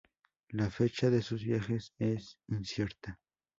La fecha de sus viajes es incierta.